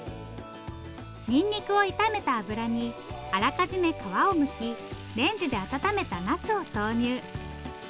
にんにくを炒めた油にあらかじめ皮をむきレンジで温めたナスを投入。